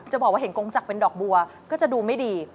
บอกว่าเห็นกงจักรเป็นดอกบัวก็จะดูไม่ดี